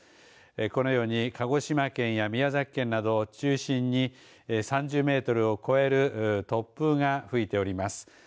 このように鹿児島県や宮崎県などを中心に３０メートルを超える突風が吹いております。